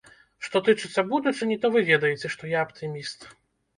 Што тычыцца будучыні, то вы ведаеце, што я аптыміст.